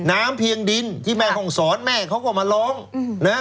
ตามเพียงดินที่แม่คงสอนและแม่ก็จะเอามาล้อม